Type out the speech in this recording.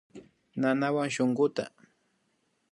Nanawan shunkuta